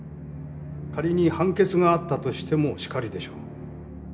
仮に判決があったとしてもしかりでしょう。